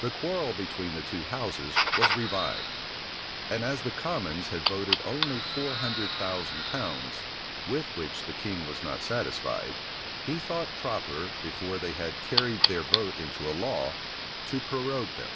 The quarrel between the two houses was revived; and as the commons had voted only four hundred thousand pounds, with which the king was not satisfied, he thought proper, before they had carried their vote into a law, to prorogue them.